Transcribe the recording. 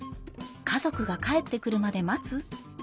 家族が帰ってくるまで待つ？